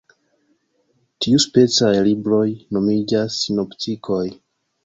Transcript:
Tiuspecaj libroj nomiĝas sinoptikoj.